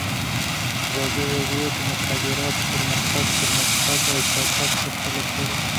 ازادي راډیو د د مخابراتو پرمختګ پرمختګ او شاتګ پرتله کړی.